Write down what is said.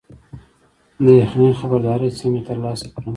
د یخنۍ خبرداری څنګه ترلاسه کړم؟